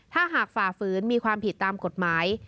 ถ้าหากฝ่าฝืนมีความผิดตามกฎหมาย